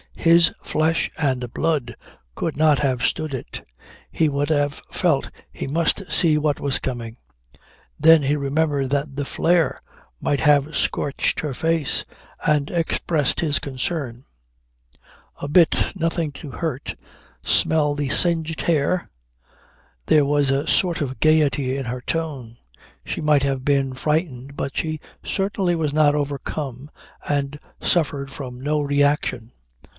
His flesh and blood could not have stood it. He would have felt he must see what was coming. Then he remembered that the flare might have scorched her face, and expressed his concern. "A bit. Nothing to hurt. Smell the singed hair?" There was a sort of gaiety in her tone. She might have been frightened but she certainly was not overcome and suffered from no reaction.